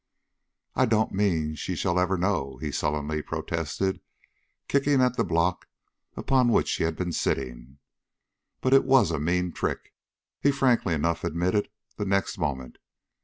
"I don't mean she shall ever know," he sullenly protested, kicking at the block upon which he had been sitting. "But it was a mean trick," he frankly enough admitted the next moment.